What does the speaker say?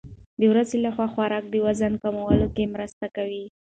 د ورځې لخوا خوراک د وزن کمولو کې مرسته کوي.